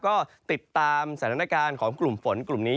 ก็ติดตามสถานการณ์ของกลุ่มฝนกลุ่มนี้